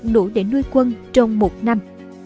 đủ để nuôi quân trong một năm